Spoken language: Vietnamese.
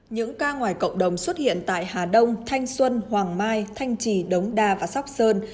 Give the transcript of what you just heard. những ca ngoài cộng đồng xuất hiện tại hà đông thanh xuân hoàng mai thanh trì đống đa và sóc sơn